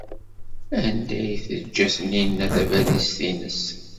Anda ay teǧǧa Taninna tabalizt-nnes?